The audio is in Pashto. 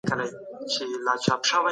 جمهور کتاب په دقت سره ولولئ.